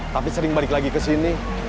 tapi sering balik lagi ke sini